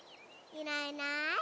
いないいない。